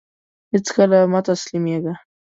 هيڅکله مه تسلميږه !